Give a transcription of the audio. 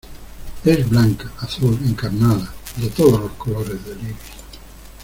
es blanca, azul , encarnada , de todos los colores del iris.